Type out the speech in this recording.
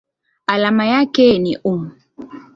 Alama yake ni µm.